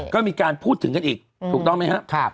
ก็มีการพูดถึงกันอีกถูกต้องไหมครับ